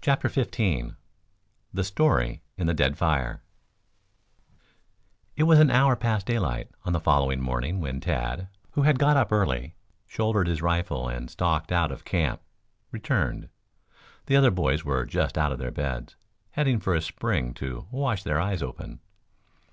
CHAPTER XV THE STORY IN THE DEAD FIRE It was an hour past daylight on the following morning when Tad, who had got up early, shouldered his rifle and stalked out of camp, returned. The other boys were just out of their beds, heading for a spring to "wash their eyes open."